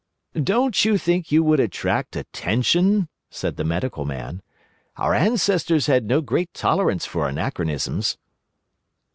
"Don't you think you would attract attention?" said the Medical Man. "Our ancestors had no great tolerance for anachronisms."